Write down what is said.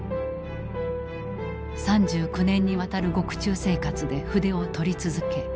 ３９年にわたる獄中生活で筆をとり続け